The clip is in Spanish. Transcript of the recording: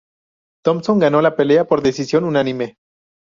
Thompson ganó la pelea por decisión unánime.